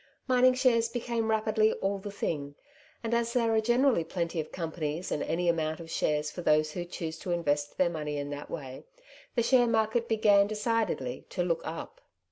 Mining shares became rapidly all the thing ; and as there are generally plenty of companies and any amount of shares for those who choose to invest their money ill that way, the share market began decidedly to " look up.